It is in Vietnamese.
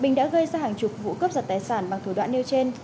bình đã gây ra hàng chục vụ cướp giật tài sản bằng thủ đoạn nêu trên